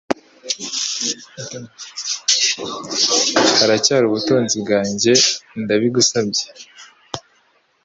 Haracyari ubutunzi bwanjye ndabigusabye